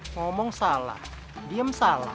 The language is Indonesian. ngomong salah diem salah